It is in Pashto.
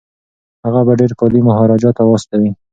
هغه به ډیر کالي مهاراجا ته واستوي.